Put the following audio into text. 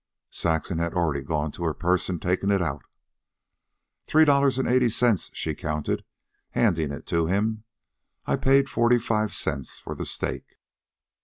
Saxon had already gone to her purse and taken it out. "Three dollars and eighty cents," she counted, handing it to him. "I paid forty five cents for the steak."